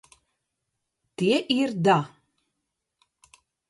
Tie ir da